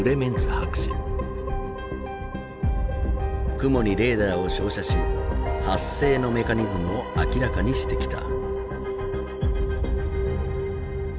雲にレーダーを照射し発生のメカニズムを明らかにしてきた。